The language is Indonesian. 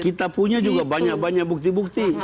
kita punya juga banyak banyak bukti bukti